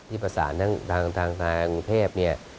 ที่ประสานทางกรุงเทพฯ